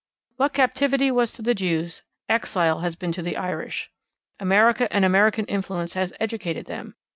What captivity was to the Jews, exile has been to the Irish. America and American influence has educated them.